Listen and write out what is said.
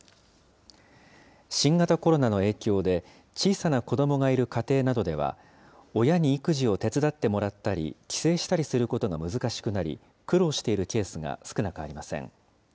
新型コロナの影響で、小さな子どもがいる家庭などでは、親に育児を手伝ってもらったり、帰省したりすることが難しくなり、苦労しているケースが少なくありません。